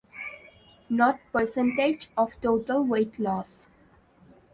Not percentage of total weight- loss.